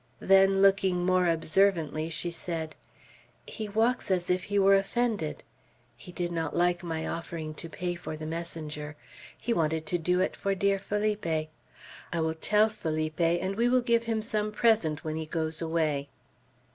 Then, looking more observantly, she said: "He walks as if he were offended. He did not like my offering to pay for the messenger. He wanted to do it for dear Felipe. I will tell Felipe, and we will give him some present when he goes away."